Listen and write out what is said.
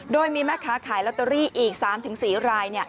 โดยมีแม่ค้าขายลอตเตอรี่อีก๓๔ราย